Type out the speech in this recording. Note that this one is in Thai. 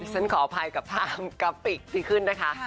ฉันขออภัยกับภาพกราฟิกที่ขึ้นนะคะ